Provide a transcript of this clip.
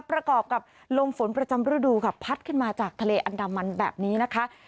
ประกอบกับลมฝนประจำฤดูค่ะพัดขึ้นมาจากทะเลอันดามันแบบนี้นะคะ